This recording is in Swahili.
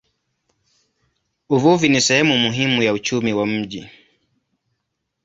Uvuvi ni sehemu muhimu ya uchumi wa mji.